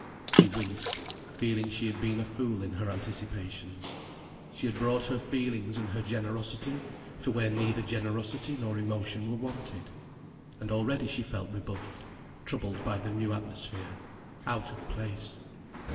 She winced, feeling she had been a fool in her anticipations. She had brought her feelings and her generosity to where neither generosity nor emotion were wanted. And already she felt rebuffed, troubled by the new atmosphere, out of place.